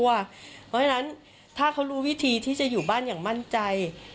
เพราะฉะนั้นถ้าเขารู้วิธีที่จะอยู่บ้านอย่างมั่นใจ